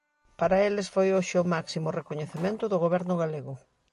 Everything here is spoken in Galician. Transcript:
Para eles foi hoxe o máximo recoñecemento do Goberno Galego.